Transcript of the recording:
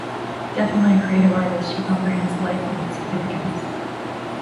Definitely a creative artist, she comprehends life and its significance.